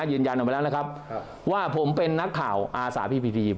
ยืนยันออกมาแล้วนะครับว่าผมเป็นนักข่าวอาสาพีพีพี